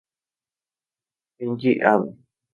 Kenji Hada